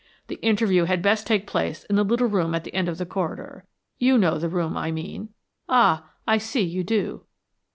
The interview had best take place in the little room at the end of the corridor. You know the room I mean. Ah, I see you do."